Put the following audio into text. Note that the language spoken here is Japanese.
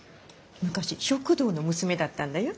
昔食堂の娘だったんだよ。